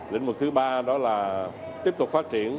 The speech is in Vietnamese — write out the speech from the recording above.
lĩnh vực thứ ba đó là tiếp tục phát triển